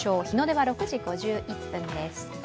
日の出は６時５１分です。